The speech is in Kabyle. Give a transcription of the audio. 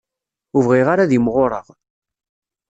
Ur bɣiɣ ara ad imɣuṛeɣ.